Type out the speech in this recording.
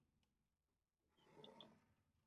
কিন্তু গর্তের মধ্যে যেতে তার সাহস হয় না।